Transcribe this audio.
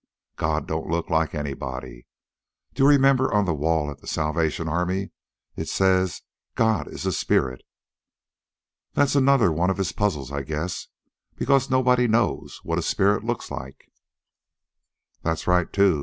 God don't look like anybody. Don't you remember on the wall at the Salvation Army it says 'God is a spirit'?" "That's another one of his puzzles, I guess, because nobody knows what a spirit looks like." "That's right, too."